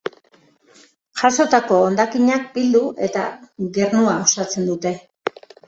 Jasotako hondakinak bildu eta gernua osatzen dute.